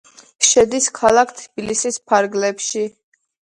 შედის ქალაქ თბილისის ფარგლებში.